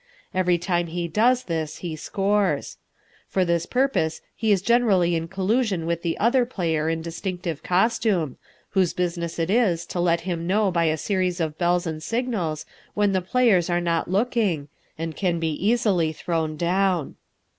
Every time he does this he scores. For this purpose he is generally in collusion with the other player in distinctive costume, whose business it is to let him know by a series of bells and signals when the players are not looking, and can be easily thrown down.